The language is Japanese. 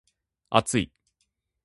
厚い